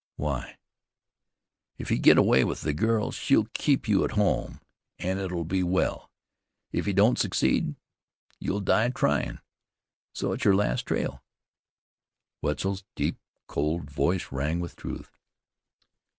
"Why?" "If you get away with the girl she'll keep you at home, an' it'll be well. If you don't succeed, you'll die tryin', so it's sure your last trail." Wetzel's deep, cold voice rang with truth.